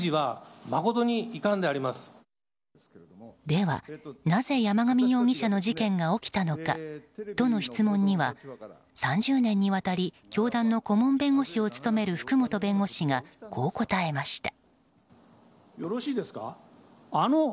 ではなぜ山上容疑者の事件が起きたのか、との質問には３０年にわたり教団の顧問弁護士を務める福本弁護士がこう答えました。